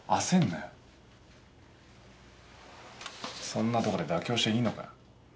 そんなとこで妥協していいのかよ？